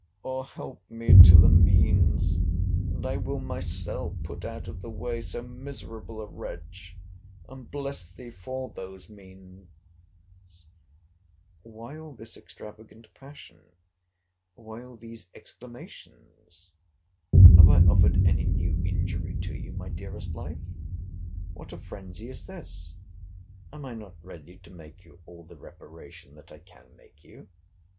—Or help me to the means, and I will myself put out of the way so miserable a wretch! And bless thee for those means! Why all this extravagant passion? Why all these exclamations? Have I offered any new injury to you, my dearest life? What a phrensy is this! Am I not ready to make you all the reparation that I can make you?